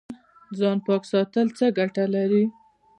ځان پاک ساتل څه ګټه لري؟